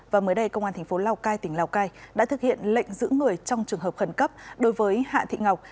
và mới đây công an thành phố lào cai tỉnh lào cai đã thực hiện lệnh giữ người trong trường hợp khẩn cấp đối với hạ thị ngọc